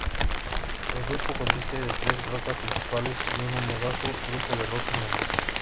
El Grupo consiste de tres rocas principales y un numeroso grupo de rocas menores.